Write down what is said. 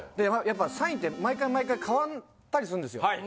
やっぱサインって毎回毎回変わったりするんですよ。